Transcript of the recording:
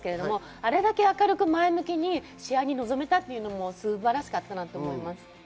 あれだけ明るく前向きに試合に臨めたというのも素晴らしかったと思います。